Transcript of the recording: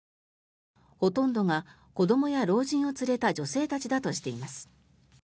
ほとんどが子どもや老人を連れた女性たちだとしています。